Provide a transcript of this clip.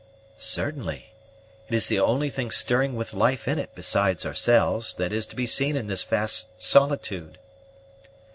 "Certainly; it is the only thing stirring with life in it, besides ourselves, that is to be seen in this vast solitude."